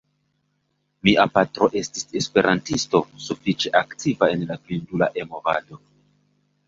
Mia patro estis esperantisto, sufiĉe aktiva en la blindula E-movado.